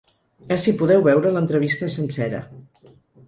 Ací podeu veure l’entrevista sencera.